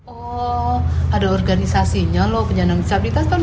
oh ada organisasinya loh penjahat disabilitas tahun dua ribu sebelas